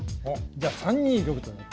じゃあ３二玉と。